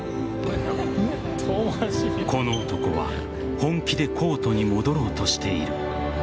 この男は本気でコートに戻ろうとしている。